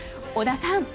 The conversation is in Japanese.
織田さん。